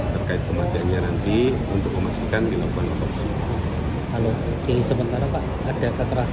terkait kematiannya nanti untuk memaksakan dilakukan otopsi